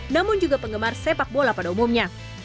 namun juga penggemar sepak bola pada umumnya